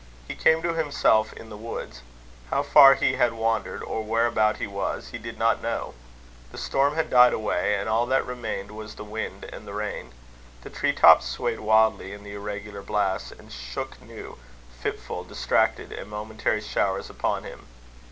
He came to himself in the woods. How far he had wandered, or whereabout he was, he did not know. The storm had died away, and all that remained was the wind and the rain. The tree tops swayed wildly in the irregular blasts, and shook new, fitful, distracted, and momentary showers upon him.